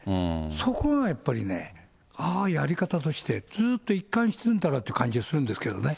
そこがやっぱりね、ああいうやり方として、ずっと一貫してるんだなって感じはするんですけどね。